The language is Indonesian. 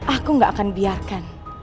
aku gak akan biarkan